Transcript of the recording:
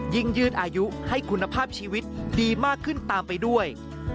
ยืดอายุให้คุณภาพชีวิตดีมากขึ้นตามไปด้วย